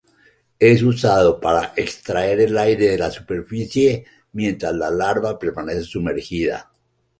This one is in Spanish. Es usado para extraer aire de la superficie mientras la larva permanece sumergida.